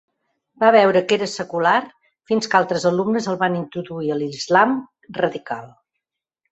Va veure que era secular fins que altres alumnes el van introduir a l'islam radical.